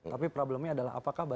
tapi problemnya adalah apakah